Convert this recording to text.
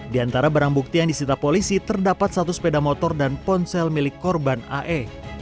di antara barang bukti yang disita polisi terdapat satu sepeda motor dan ponsel milik korban ae